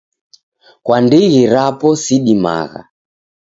Kwa ndighi rapo sidimagha.